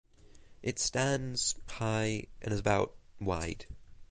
It stands high and is about wide.